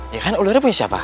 ya kan ulurnya punya siapa